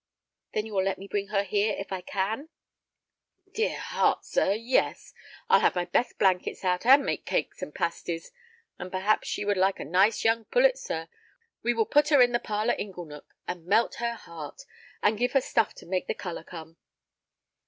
"Then you will let me bring her here—if I can?" "Dear heart, sir, yes. I'll have my best blankets out, and make cakes and pasties. And perhaps she would like a nice young pullet, sir. We will put her in the parlor ingle nook, and melt her heart, and give her stuff to make the color come."